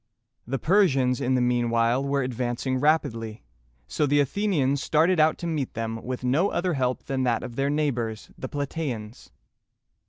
The Persians in the mean while were advancing rapidly, so the Athenians started out to meet them with no other help than that of their neighbors the Pla tæ´ans.